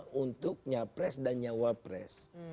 yang sama untuk nyapres dan cawapres